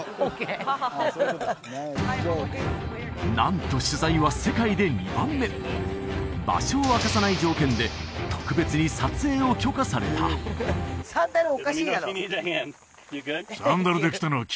イエスなんと取材は世界で２番目場所を明かさない条件で特別に撮影を許可されたサンダルおかしいやろ！